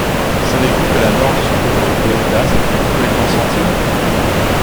Savez-vous que la mort de ce pauvre Déodat s'y fait cruellement sentir ?